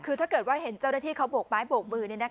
คือถ้าเกิดว่าเห็นเจ้าหน้าที่เขาโบกไม้โบกมือ